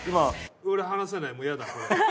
俺離せないもうヤダ。